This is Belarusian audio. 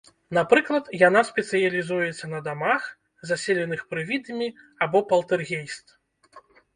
Напрыклад, яна спецыялізуецца на дамах, заселеных прывідамі або палтэргейст.